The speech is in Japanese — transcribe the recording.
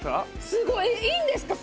すごいいいんですか？